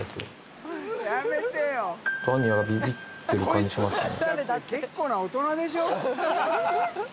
アニヤがビビってる感じしますね。